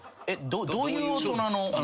どういう大人の。